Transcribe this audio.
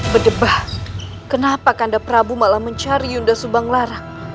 bedebah kenapa kandaprabu malah mencari yunda subanglarak